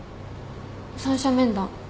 三者面談。